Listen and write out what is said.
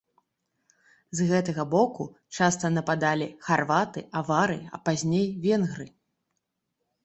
З гэтага боку часта нападалі харваты, авары, а пазней венгры.